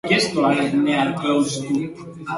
Horietako batzuk behin baino gehiagotan torturatu zituzten.